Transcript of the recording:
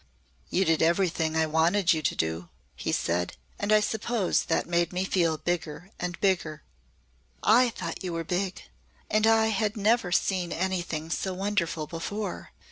"You did everything I wanted you to do," he said, "and I suppose that made me feel bigger and bigger." "I thought you were big. And I had never seen anything so wonderful before.